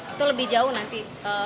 itu lebih jauh nanti